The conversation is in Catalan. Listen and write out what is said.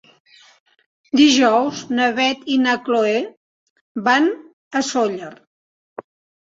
Dijous na Beth i na Chloé van a Sóller.